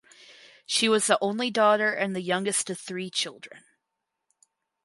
She was the only daughter and the youngest of three children.